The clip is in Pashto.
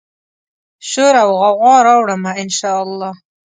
شوراوغوغا راوړمه، ان شا الله